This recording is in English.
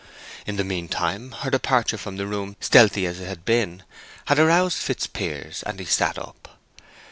In the mean time her departure from the room, stealthy as it had been, had roused Fitzpiers, and he sat up.